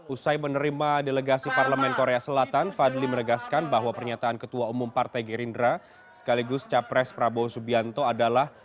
usai menerima delegasi parlemen korea selatan fadli menegaskan bahwa pernyataan ketua umum partai gerindra sekaligus capres prabowo subianto adalah